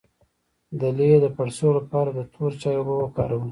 د لۍ د پړسوب لپاره د تور چای اوبه وکاروئ